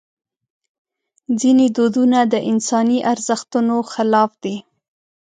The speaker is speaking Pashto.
ځینې دودونه د انساني ارزښتونو خلاف دي.